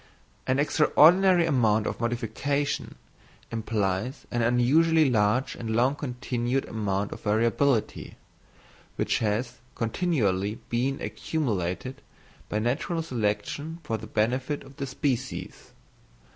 An extraordinary amount of modification implies an unusually large and long continued amount of variability, which has continually been accumulated by natural selection for the benefit of the species.